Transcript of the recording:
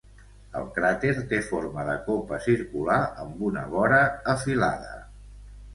El cràter té forma de copa circular amb una vora afilada.